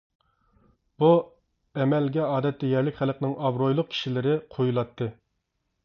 بۇ ئەمەلگە ئادەتتە يەرلىك خەلقنىڭ ئابرۇيلۇق كىشىلىرى قويۇلاتتى.